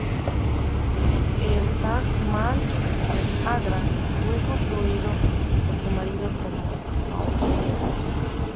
El Taj Mahal, en Agra, fue construido por su marido como mausoleo.